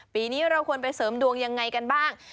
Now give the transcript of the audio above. ปีนี้เราควรไปเสริมดวงยังไงกันบ้าง